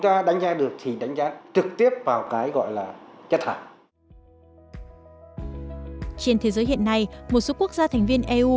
trên thế giới hiện nay một số quốc gia thành viên eu